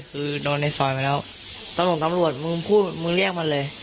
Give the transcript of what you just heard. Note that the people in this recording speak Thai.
คือโดนในซอยมาแล้วตำรวจตำรวจมึงพูดมึงเรียกมันเลย